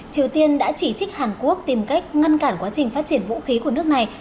triều tiên đã chỉ trích hàn quốc tìm cách ngăn cản quá trình phát triển vũ khí của nước này